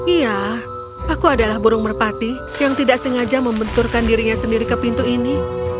iya aku adalah burung merpati yang tidak sengaja membenturkan dirinya sendiri ke pintu ini